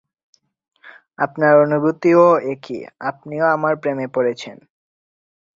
আপনার অনুভূতিও একই, আপনিও আমার প্রেমে পড়েছেন।